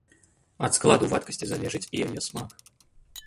Ад складу вадкасці залежыць і яе смак.